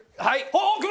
はい。